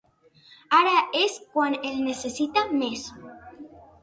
Ara és quan el necessita més.